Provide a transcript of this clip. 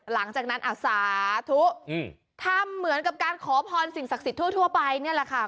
หลังจากนั้นอ่ะสาธุทำเหมือนกับการขอพรสิ่งศักดิ์สิทธิ์ทั่วไปนี่แหละค่ะ